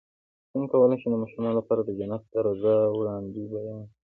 څنګه کولی شم د ماشومانو لپاره د جنت د رضا وړاندې بیان کړم